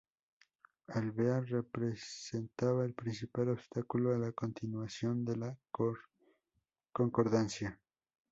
Alvear representaba el principal obstáculo a la continuación de la Concordancia.